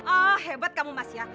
oh hebat kamu mas ya